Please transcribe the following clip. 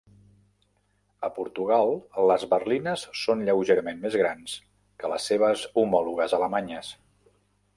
A Portugal, les berlines són lleugerament més grans que les seves homòlogues alemanyes.